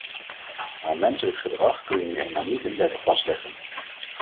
Maar menselijk gedrag kun je nu eenmaal niet in wetten vastleggen.